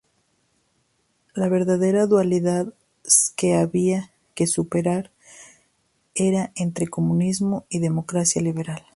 La verdadera dualidad que había que superar era entre comunismo y democracia liberal.